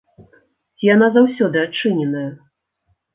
Ці яна заўсёды адчыненая?